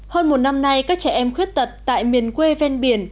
hơn một năm nay các trẻ em khuyết tật tại miền quê ven biển